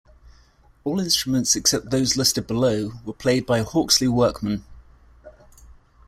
All instruments except those listed below were played by Hawksley Workman.